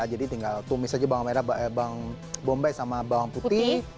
jadi tinggal tumis aja bawang bombay sama bawang putih